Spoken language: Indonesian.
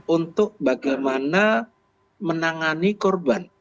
untuk bagaimana menangani korban